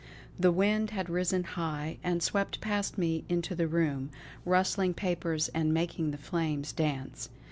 The wind had risen high, and swept past me into the room, rustling papers and making the flames dance.